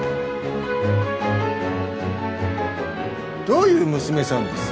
どういう娘さんです？